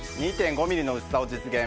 ２．５ｍｍの薄さを実現。